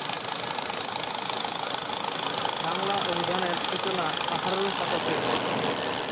বাংলা অভিধানের সূচনা আঠারো শতকে।